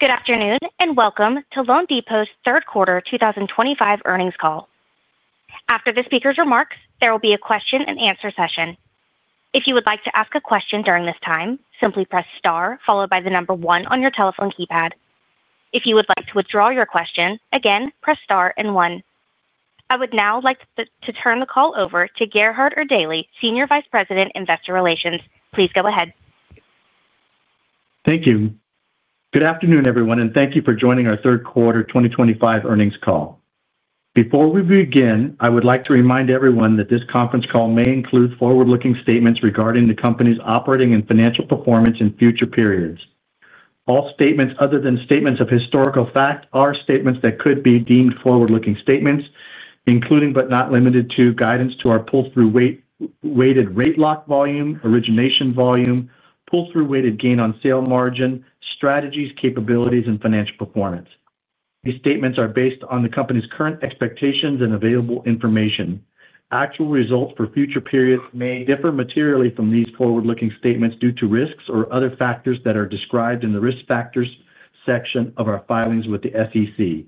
Good afternoon and welcome to loanDepot's Third Quarter 2025 Earnings Call. After the speaker's remarks, there will be a question-and-answer session. If you would like to ask a question during this time, simply press star followed by the number one on your telephone keypad. If you would like to withdraw your question, again, press star and one. I would now like to turn the call over to Gerhard Erdelji, Senior Vice President, Investor Relations. Please go ahead. Thank you. Good afternoon, everyone, and thank you for joining our Third Quarter 2025 Earnings Call. Before we begin, I would like to remind everyone that this conference call may include forward-looking statements regarding the company's operating and financial performance in future periods. All statements other than statements of historical fact are statements that could be deemed forward-looking statements, including but not limited to guidance to our pull-through weighted rate lock volume, origination volume, pull-through weighted gain on sale margin, strategies, capabilities, and financial performance. These statements are based on the company's current expectations and available information. Actual results for future periods may differ materially from these forward-looking statements due to risks or other factors that are described in the risk factors section of our filings with the SEC.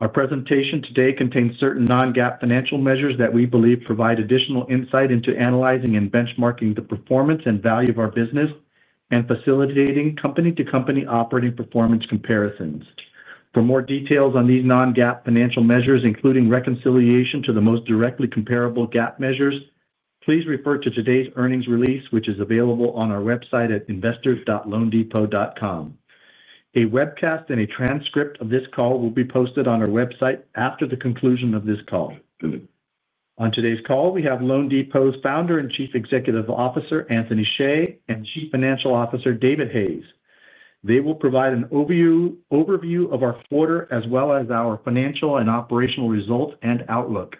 Our presentation today contains certain non-GAAP financial measures that we believe provide additional insight into analyzing and benchmarking the performance and value of our business. Facilitating company-to-company operating performance comparisons. For more details on these non-GAAP financial measures, including reconciliation to the most directly comparable GAAP measures, please refer to today's earnings release, which is available on our website at investors.loanDepot.com. A webcast and a transcript of this call will be posted on our website after the conclusion of this call. On today's call, we have loanDepot's Founder and Chief Executive Officer, Anthony Hsieh, and Chief Financial Officer, David Hayes. They will provide an overview of our quarter as well as our financial and operational results and outlook.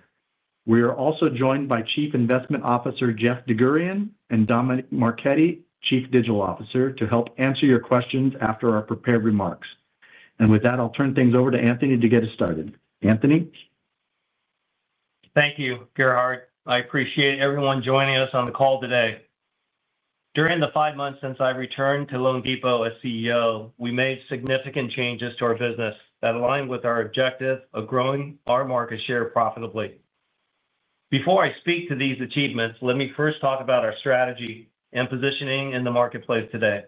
We are also joined by Chief Investment Officer, Jeff DerGurahian, and Dominick Marchetti, Chief Digital Officer, to help answer your questions after our prepared remarks. With that, I'll turn things over to Anthony to get us started. Anthony. Thank you, Gerhard. I appreciate everyone joining us on the call today. During the five months since I returned to loanDepot as CEO, we made significant changes to our business that align with our objective of growing our market share profitably. Before I speak to these achievements, let me first talk about our strategy and positioning in the marketplace today.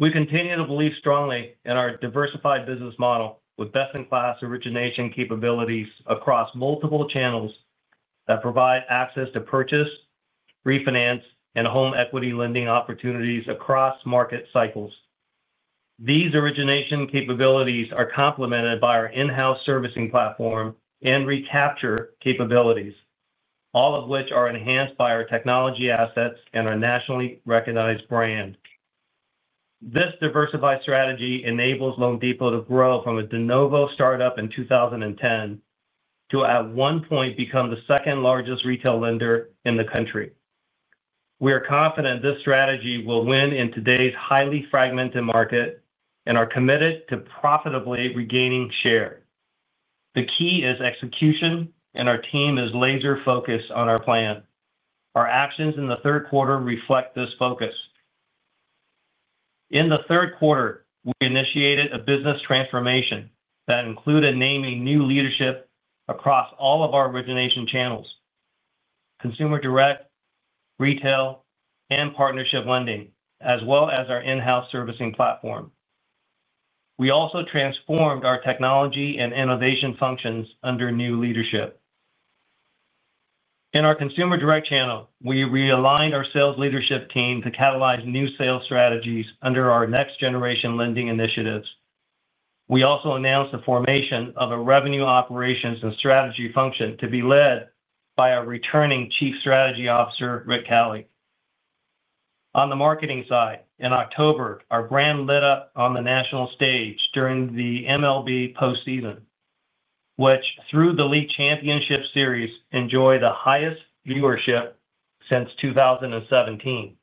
We continue to believe strongly in our diversified business model with best-in-class origination capabilities across multiple channels that provide access to purchase, refinance, and home equity lending opportunities across market cycles. These origination capabilities are complemented by our in-house servicing platform and recapture capabilities, all of which are enhanced by our technology assets and our nationally recognized brand. This diversified strategy enables loanDepot to grow from a de novo startup in 2010 to, at one point, become the second-largest retail lender in the country. We are confident this strategy will win in today's highly fragmented market and are committed to profitably regaining share. The key is execution, and our team is laser-focused on our plan. Our actions in the third quarter reflect this focus. In the third quarter, we initiated a business transformation that included naming new leadership across all of our origination channels: Consumer Direct, Retail, and partnership lending, as well as our in-house servicing platform. We also transformed our technology and innovation functions under new leadership. In our Consumer Direct channel, we realigned our sales leadership team to catalyze new sales strategies under our next-generation lending initiatives. We also announced the formation of a revenue operations and strategy function to be led by our returning Chief Strategy Officer, Rick Calle. On the marketing side, in October, our brand lit up on the national stage during the MLB postseason, which, through the league championship series, enjoyed the highest viewership since 2017.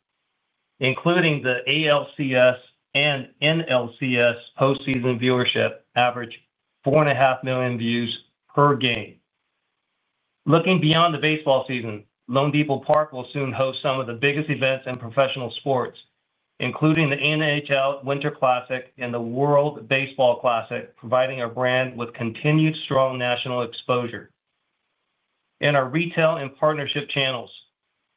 Including the ALCS and NLCS, postseason viewership averaged 4.5 million views per game. Looking beyond the baseball season, loanDepot Park will soon host some of the biggest events in professional sports, including the NHL Winter Classic and the World Baseball Classic, providing our brand with continued strong national exposure. In our retail and partnership channels,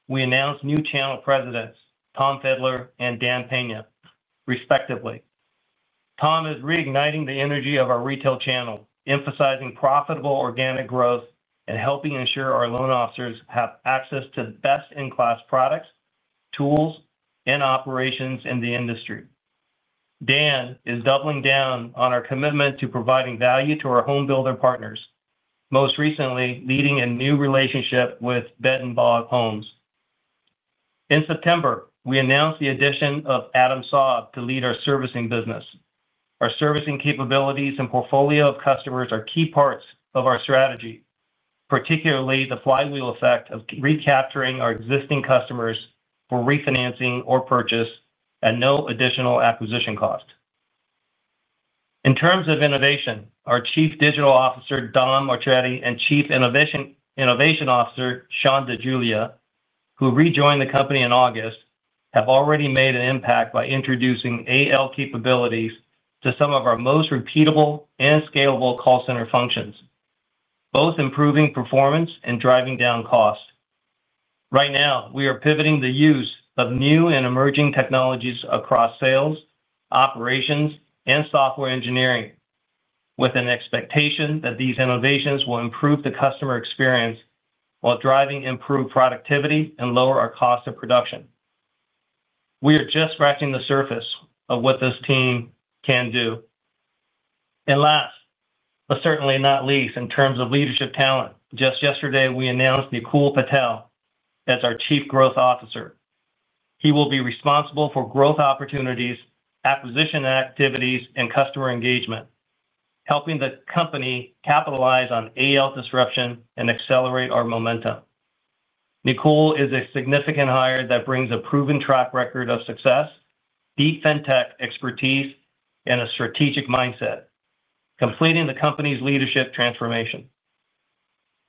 we announced new channel presidents, Tom Fiddler and Dan Peña respectively. Tom is reigniting the energy of our retail channel, emphasizing profitable organic growth and helping ensure our loan officers have access to best-in-class products, tools, and operations in the industry. Dan is doubling down on our commitment to providing value to our homebuilder partners, most recently leading a new relationship with Bettenbaugh Homes. In September, we announced the addition of Adam Saab to lead our servicing business. Our servicing capabilities and portfolio of customers are key parts of our strategy, particularly the flywheel effect of recapturing our existing customers for refinancing or purchase at no additional acquisition cost. In terms of innovation, our Chief Digital Officer, Dominick Marchetti, and Chief Innovation Officer, Sean DerGurahian, who rejoined the company in August, have already made an impact by introducing AI capabilities to some of our most repeatable and scalable call center functions, both improving performance and driving down cost. Right now, we are pivoting the use of new and emerging technologies across sales, operations, and software engineering with an expectation that these innovations will improve the customer experience while driving improved productivity and lower our cost of production. We are just scratching the surface of what this team can do. Last, but certainly not least, in terms of leadership talent, just yesterday, we announced Nikul Patel as our Chief Growth Officer. He will be responsible for growth opportunities, acquisition activities, and customer engagement, helping the company capitalize on AL disruption and accelerate our momentum. Nikul is a significant hire that brings a proven track record of success, deep fintech expertise, and a strategic mindset, completing the company's leadership transformation.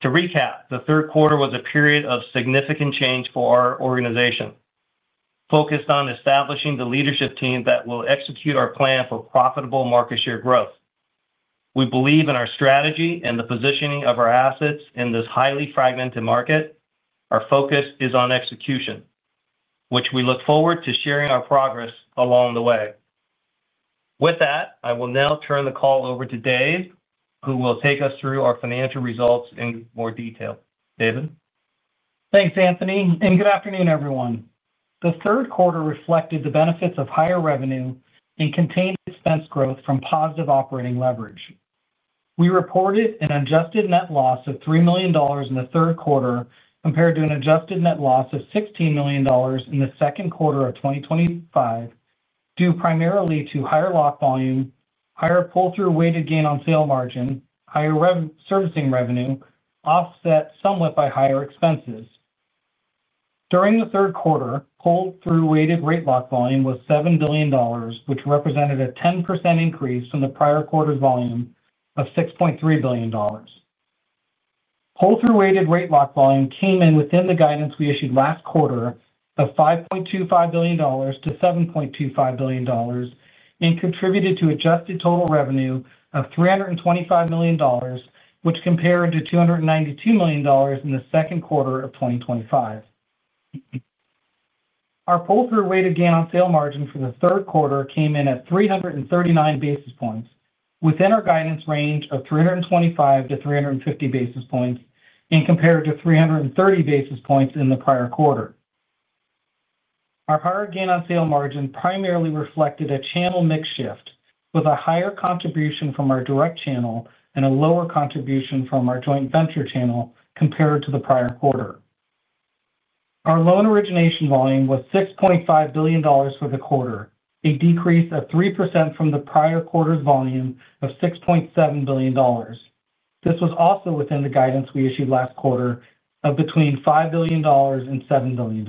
To recap, the third quarter was a period of significant change for our organization, focused on establishing the leadership team that will execute our plan for profitable market share growth. We believe in our strategy and the positioning of our assets in this highly fragmented market. Our focus is on execution, which we look forward to sharing our progress along the way. With that, I will now turn the call over to David, who will take us through our financial results in more detail. David. Thanks, Anthony. Good afternoon, everyone. The third quarter reflected the benefits of higher revenue and contained expense growth from positive operating leverage. We reported an adjusted net loss of $3 million in the third quarter compared to an adjusted net loss of $16 million in the second quarter of 2025. This was due primarily to higher lock volume, higher pull-through weighted gain on sale margin, and higher servicing revenue, offset somewhat by higher expenses. During the third quarter, pull-through weighted rate lock volume was $7 billion, which represented a 10% increase from the prior quarter's volume of $6.3 billion. Pull-through weighted rate lock volume came in within the guidance we issued last quarter of $5.25 billion-$7.25 billion and contributed to adjusted total revenue of $325 million, which compared to $292 million in the second quarter of 2025. Our pull-through weighted gain on sale margin for the third quarter came in at 339 basis points within our guidance range of 325-350 basis points and compared to 330 basis points in the prior quarter. Our higher gain on sale margin primarily reflected a channel mix shift with a higher contribution from our direct channel and a lower contribution from our joint venture channel compared to the prior quarter. Our loan origination volume was $6.5 billion for the quarter, a decrease of 3% from the prior quarter's volume of $6.7 billion. This was also within the guidance we issued last quarter of between $5 billion and $7 billion.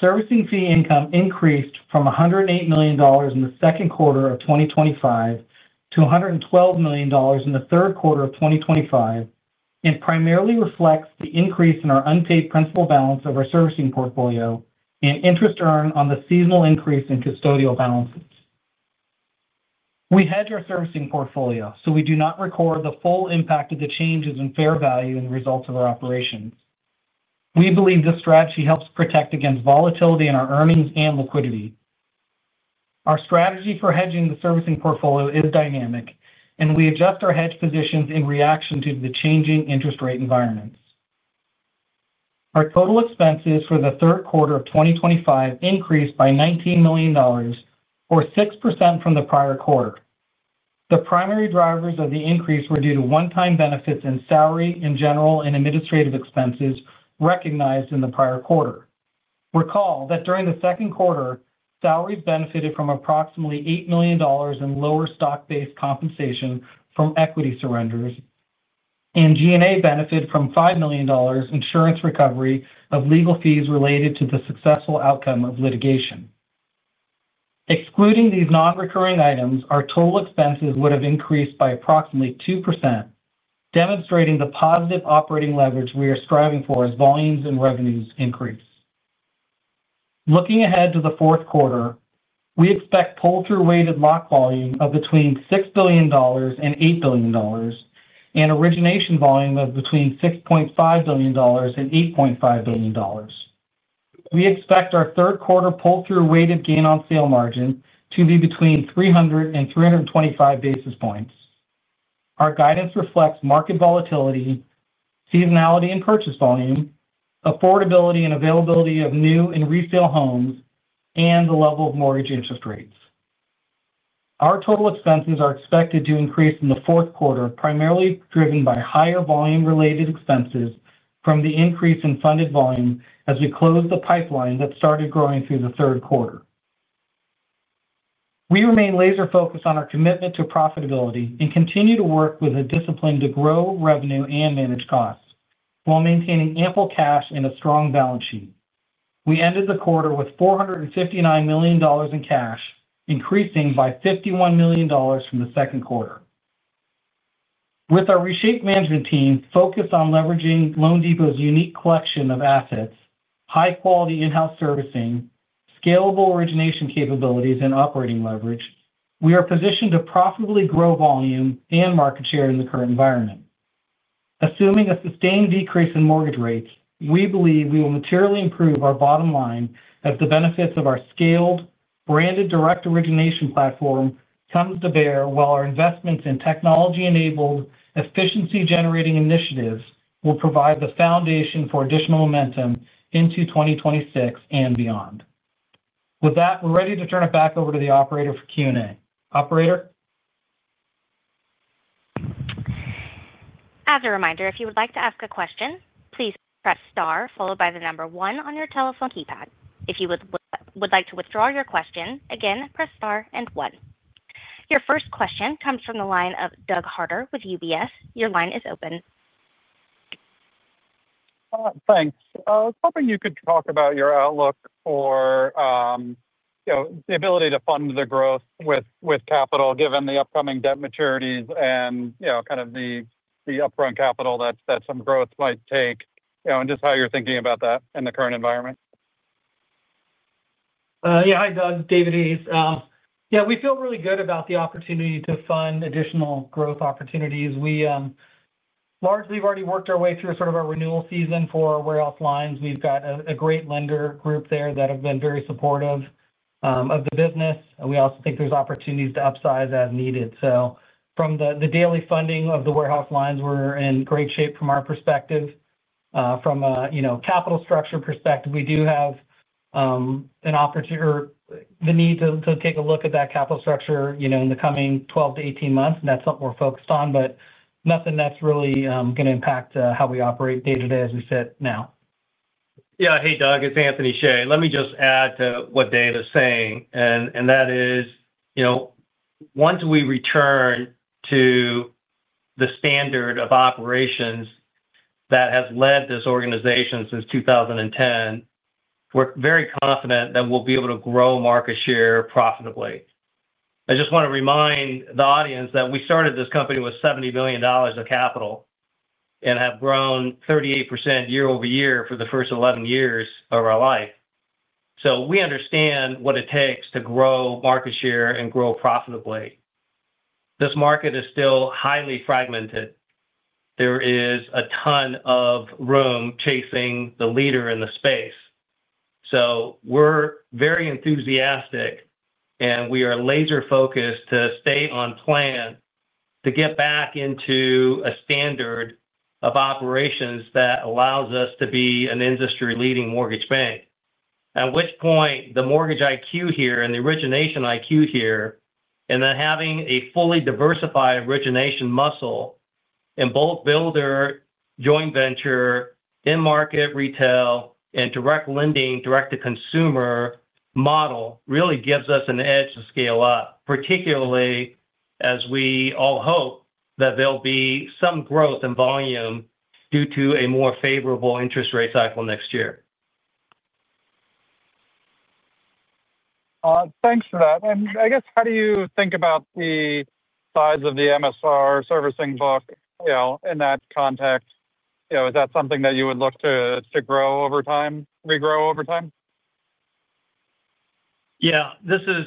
Servicing fee income increased from $108 million in the second quarter of 2025 to $112 million in the third quarter of 2025. This primarily reflects the increase in our unpaid principal balance of our servicing portfolio and interest earned on the seasonal increase in custodial balances. We hedge our servicing portfolio, so we do not record the full impact of the changes in fair value in the results of our operations. We believe this strategy helps protect against volatility in our earnings and liquidity. Our strategy for hedging the servicing portfolio is dynamic, and we adjust our hedge positions in reaction to the changing interest rate environments. Our total expenses for the third quarter of 2025 increased by $19 million, or 6% from the prior quarter. The primary drivers of the increase were due to one-time benefits in salary and general and administrative expenses recognized in the prior quarter. Recall that during the second quarter, salaries benefited from approximately $8 million in lower stock-based compensation from equity surrenders. G&A benefited from $5 million insurance recovery of legal fees related to the successful outcome of litigation. Excluding these non-recurring items, our total expenses would have increased by approximately 2%. Demonstrating the positive operating leverage we are striving for as volumes and revenues increase. Looking ahead to the fourth quarter, we expect pull-through weighted lock volume of between $6 billion and $8 billion. Origination volume of between $6.5 billion and $8.5 billion. We expect our third quarter pull-through weighted gain on sale margin to be between 300 and 325 basis points. Our guidance reflects market volatility, seasonality and purchase volume, affordability and availability of new and resale homes, and the level of mortgage interest rates. Our total expenses are expected to increase in the fourth quarter, primarily driven by higher volume-related expenses from the increase in funded volume as we close the pipeline that started growing through the third quarter. We remain laser-focused on our commitment to profitability and continue to work with a discipline to grow revenue and manage costs while maintaining ample cash and a strong balance sheet. We ended the quarter with $459 million in cash, increasing by $51 million from the second quarter. With our reshaped management team focused on leveraging loanDepot's unique collection of assets, high-quality in-house servicing, scalable origination capabilities, and operating leverage, we are positioned to profitably grow volume and market share in the current environment. Assuming a sustained decrease in mortgage rates, we believe we will materially improve our bottom line as the benefits of our scaled branded direct origination platform come to bear while our investments in technology-enabled efficiency-generating initiatives will provide the foundation for additional momentum into 2026 and beyond. With that, we're ready to turn it back over to the operator for Q&A. Operator. As a reminder, if you would like to ask a question, please press star followed by the number one on your telephone keypad. If you would like to withdraw your question, again, press star and one. Your first question comes from the line of Doug Harter with UBS. Your line is open. Thanks. I was hoping you could talk about your outlook for the ability to fund the growth with capital, given the upcoming debt maturities and kind of the upfront capital that some growth might take and just how you're thinking about that in the current environment. Yeah, hi, Doug. David Hayes. Yeah, we feel really good about the opportunity to fund additional growth opportunities. We largely have already worked our way through sort of our renewal season for warehouse lines. We've got a great lender group there that have been very supportive of the business. We also think there's opportunities to upsize as needed. From the daily funding of the warehouse lines, we're in great shape from our perspective. From a capital structure perspective, we do have an opportunity or the need to take a look at that capital structure in the coming 12 to 18 months. That's what we're focused on, but nothing that's really going to impact how we operate day to day as we sit now. Yeah, hey, Doug, it's Anthony Hsieh. Let me just add to what Dave is saying. That is, once we return to the standard of operations that has led this organization since 2010, we're very confident that we'll be able to grow market share profitably. I just want to remind the audience that we started this company with $70 million of capital and have grown 38% year-over-year for the first 11 years of our life. We understand what it takes to grow market share and grow profitably. This market is still highly fragmented. There is a ton of room chasing the leader in the space. We're very enthusiastic, and we are laser-focused to stay on plan to get back into a standard of operations that allows us to be an industry-leading mortgage bank. At which point the mortgage IQ here and the origination IQ here, and then having a fully diversified origination muscle. In bulk builder, joint venture, in-market retail, and direct lending, direct-to-consumer model really gives us an edge to scale up, particularly as we all hope that there'll be some growth in volume due to a more favorable interest rate cycle next year. Thanks for that. I guess, how do you think about the size of the MSR servicing book in that context? Is that something that you would look to grow over time, regrow over time? Yeah, this is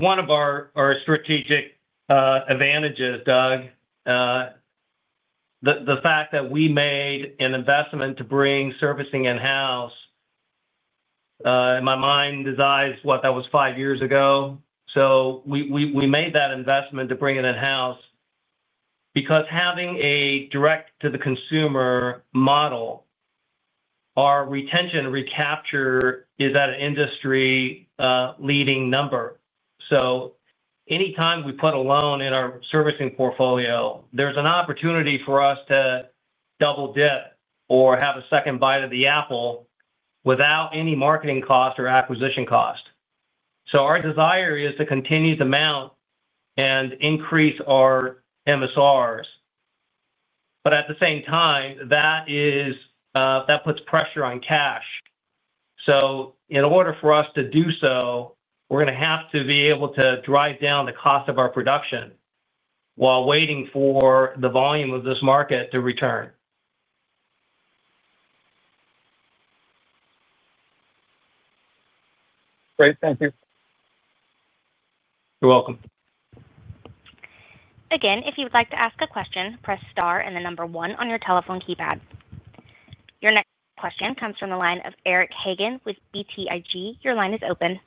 one of our strategic advantages, Doug. The fact that we made an investment to bring servicing in-house. In my mind, that was five years ago. We made that investment to bring it in-house because having a direct-to-the-consumer model, our retention recapture is at an industry-leading number. Anytime we put a loan in our servicing portfolio, there's an opportunity for us to double dip or have a second bite of the apple without any marketing cost or acquisition cost. Our desire is to continue to mount and increase our MSRs. At the same time, that puts pressure on cash. In order for us to do so, we're going to have to be able to drive down the cost of our production while waiting for the volume of this market to return. Great. Thank you. You're welcome. Again, if you would like to ask a question, press star and the number one on your telephone keypad. Your next question comes from the line of Eric Hagen with BTIG. Your line is open.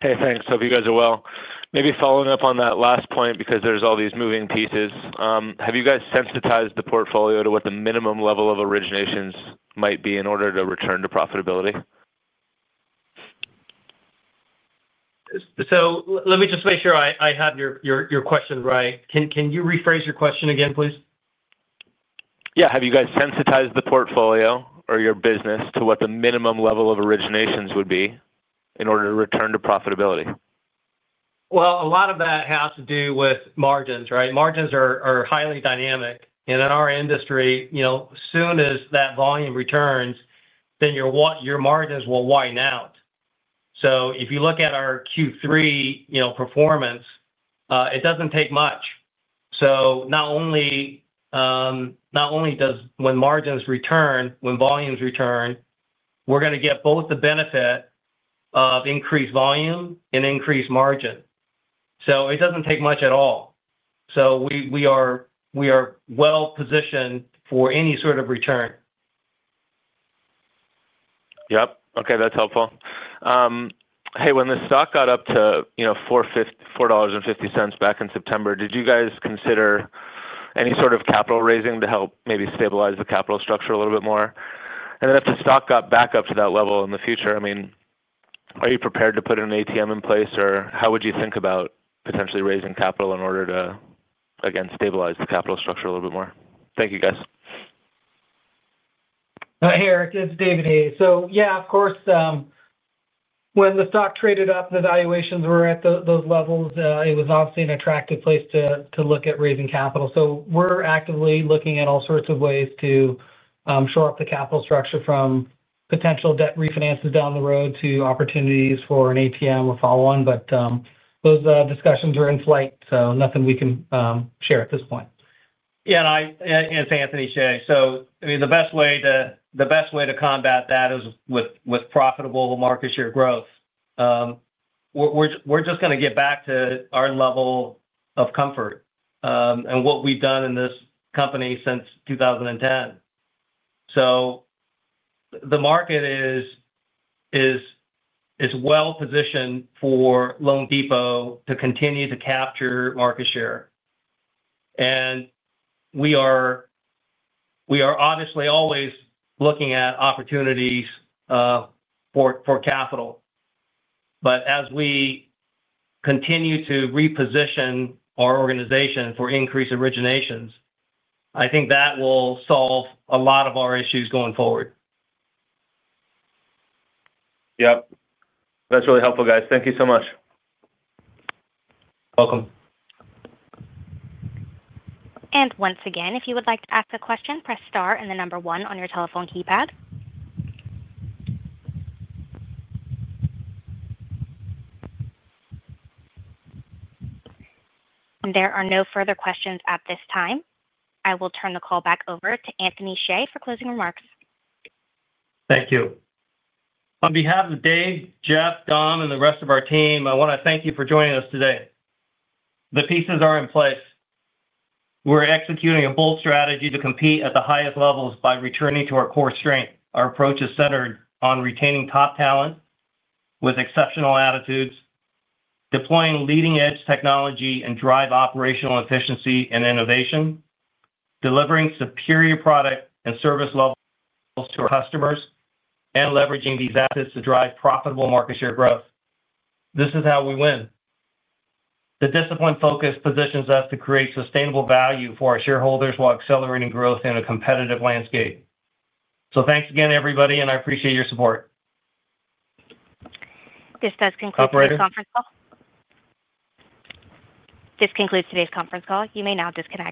Hey, thanks. Hope you guys are well. Maybe following up on that last point because there's all these moving pieces. Have you guys sensitized the portfolio to what the minimum level of originations might be in order to return to profitability? Let me just make sure I have your question right. Can you rephrase your question again, please? Yeah. Have you guys sensitized the portfolio or your business to what the minimum level of originations would be in order to return to profitability? A lot of that has to do with margins, right? Margins are highly dynamic. In our industry, as soon as that volume returns, then your margins will widen out. If you look at our Q3 performance, it does not take much. Not only does when margins return, when volumes return, we are going to get both the benefit of increased volume and increased margin. It does not take much at all. We are well positioned for any sort of return. Yep. Okay. That's helpful. Hey, when the stock got up to $4.50 back in September, did you guys consider any sort of capital raising to help maybe stabilize the capital structure a little bit more? If the stock got back up to that level in the future, I mean, are you prepared to put an ATM in place or how would you think about potentially raising capital in order to, again, stabilize the capital structure a little bit more? Thank you, guys. Hey, Eric. It's David Hayes. Yeah, of course. When the stock traded up and the valuations were at those levels, it was obviously an attractive place to look at raising capital. We're actively looking at all sorts of ways to shore up the capital structure from potential debt refinances down the road to opportunities for an ATM or follow-on. Those discussions are in flight, so nothing we can share at this point. Yeah. As Anthony Hsieh said, I mean, the best way to combat that is with profitable market share growth. We're just going to get back to our level of comfort and what we've done in this company since 2010. The market is well positioned for loanDepot to continue to capture market share. We are obviously always looking at opportunities for capital. As we continue to reposition our organization for increased originations, I think that will solve a lot of our issues going forward. Yep. That's really helpful, guys. Thank you so much. Welcome. If you would like to ask a question, press star and the number one on your telephone keypad. There are no further questions at this time. I will turn the call back over to Anthony Hsieh for closing remarks. Thank you. On behalf of Dave, Jeff, Dom, and the rest of our team, I want to thank you for joining us today. The pieces are in place. We're executing a bold strategy to compete at the highest levels by returning to our core strength. Our approach is centered on retaining top talent with exceptional attitudes, deploying leading-edge technology, and driving operational efficiency and innovation, delivering superior product and service levels to our customers, and leveraging these assets to drive profitable market share growth. This is how we win. The discipline focus positions us to create sustainable value for our shareholders while accelerating growth in a competitive landscape. Thanks again, everybody, and I appreciate your support. This does conclude today's conference call. Operator. This concludes today's conference call. You may now disconnect.